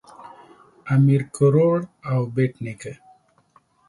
امیر کروړ او بېټ نیکه